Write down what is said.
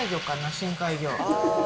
深海魚。